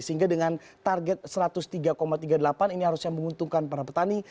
sehingga dengan target satu ratus tiga tiga puluh delapan ini harusnya menguntungkan para petani